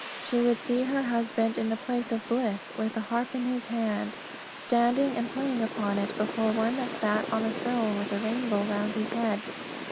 She would see her husband in a place of bliss with a harp in his hand, standing and playing upon it before One that sat on a throne with a rainbow round His head.